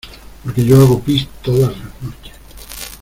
porque yo hago pis todas las noches.